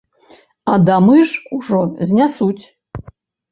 А дамы ж ужо знясуць!